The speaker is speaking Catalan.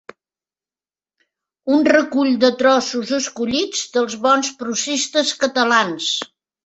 Un recull de trossos escollits dels bons prosistes catalans.